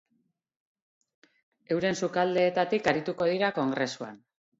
Euren sukaldeetatik arituko dira kongresuan.